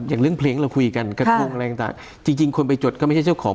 อย่างเรื่องเพลงเราคุยกันกระทงอะไรต่างจริงคนไปจดก็ไม่ใช่เจ้าของ